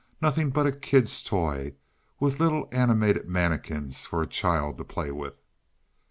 Nothing but a kid's toy; with little animated mannikins for a child to play with."